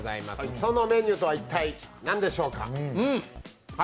そのメニューとは一体、何でしょうか。